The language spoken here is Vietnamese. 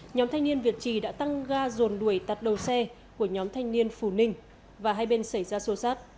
nhóm thanh niên việt trì đã tăng ga dồn đuổi tạt đầu xe của nhóm thanh niên phù ninh và hai bên xảy ra xô xát